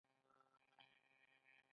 په ځان باور زده کېدلای شي.